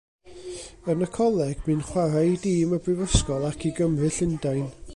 Yn y coleg bu'n chwarae i dîm y Brifysgol ac i Gymru Llundain.